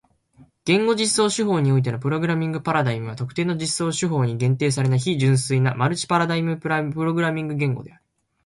言語実装手法においてのプログラミングパラダイムは特定の実装手法に限定されない非純粋なマルチパラダイムプログラミング言語である。